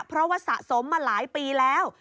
เพราะว่าสะสมมาหลายปีแล้ว